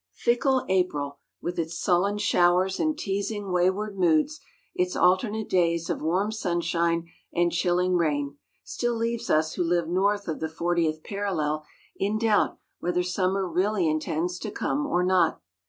Fickle April, with its sullen showers and teasing, wayward moods, its alternate days of warm sunshine and chilling rain, still leaves us who live north of the fortieth parallel in doubt whether summer really intends to come or not.